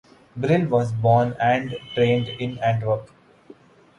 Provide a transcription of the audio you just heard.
Bril was born and trained in Antwerp.